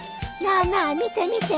なあなあ見て見て。